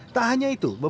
tak hanya itu